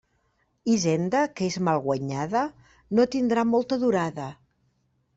Hisenda que és mal guanyada, no tindrà molta durada.